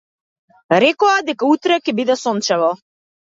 Рекоа дека утре ќе биде сончево.